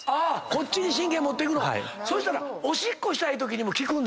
こっちに神経持ってくの⁉そしたらおしっこしたいときも。